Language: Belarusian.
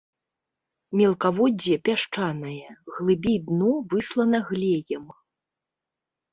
Мелкаводдзе пясчанае, глыбей дно выслана глеем.